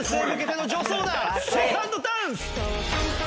セカンドダンス！